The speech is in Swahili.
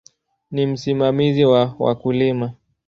Ni msimamizi wa wakulima.